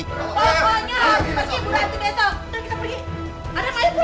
pokoknya harus pergi bu ranti besok